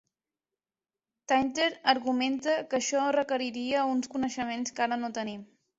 Tainter argumenta que això requeriria uns coneixements que ara no tenim.